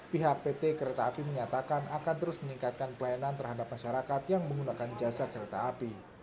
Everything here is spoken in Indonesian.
pihak pt kereta api menyatakan akan terus meningkatkan pelayanan terhadap masyarakat yang menggunakan jasa kereta api